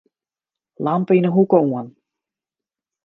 Lampe yn 'e hoeke oan.